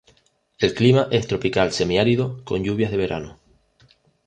El clima es Tropical Semiárido, con lluvias de verano.